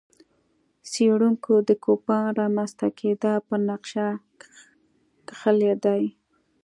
څېړونکو د کوپان رامنځته کېدا پر نقشه کښلي دي.